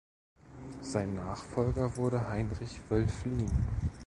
Sein Nachfolger wurde Heinrich Wölfflin.